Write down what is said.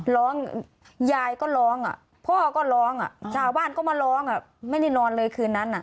ร้องยายก็ร้องพ่อก็ร้องชาวบ้านก็มาร้องไม่ได้นอนเลยคืนนั้น